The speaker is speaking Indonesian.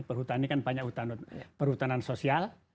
perhutani kan banyak perhutanan sosial